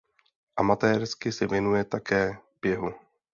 Amatérsky se věnuje také běhu.